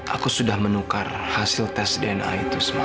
aku sudah menukar hasil tes dna itu semua